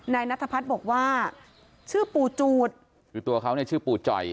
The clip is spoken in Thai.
นายนัทพัฒน์บอกว่าชื่อปู่จูดคือตัวเขาเนี่ยชื่อปู่จ่อย